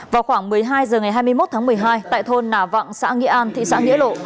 vào khoảng một mươi hai h ngày hai mươi một tháng một mươi hai tại thôn nà vạng xã nghĩa an thị xã nghĩa lộ